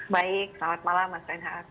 baik selamat malam mas renhat